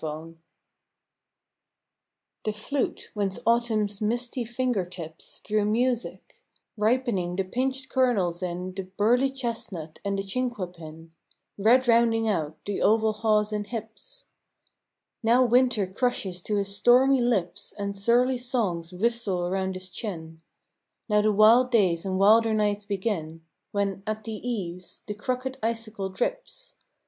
WINTER The flute, whence Autumn's misty finger tips Drew music ripening the pinched kernels in The burly chestnut and the chinquapin, Red rounding out the oval haws and hips, Now Winter crushes to his stormy lips And surly songs whistle around his chin: Now the wild days and wilder nights begin When, at the eaves, the crooked icicle drips.